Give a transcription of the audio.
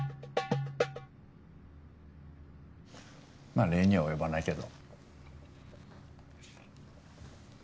まあ礼には及ばないけど。